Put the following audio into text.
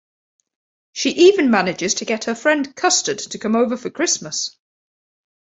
She even manages to get her friend Custard to come over for Christmas.